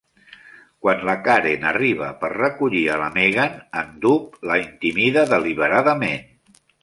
Quan la Karen arriba per recollir a la Megan, en Doob la intimida deliberadament.